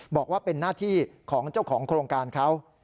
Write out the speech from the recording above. บอกว่าเป็นหน้าที่ของเจ้าของโครงการเขา